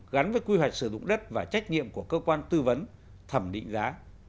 gắn với quy hoạch sử dụng đất và trách nhiệm của cơ quan tư vấn thẩm định giá